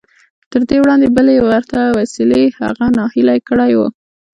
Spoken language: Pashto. تر دې وړاندې بلې ورته وسیلې هغه ناهیلی کړی و